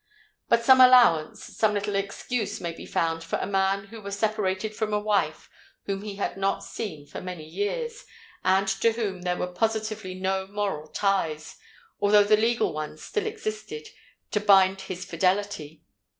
But some allowance—some little excuse may be found for a man who was separated from a wife whom he had not seen for many years, and to whom there were positively no moral ties, although the legal ones still existed, to bind his fidelity.